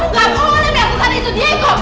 kamu tidak boleh melakukan itu diego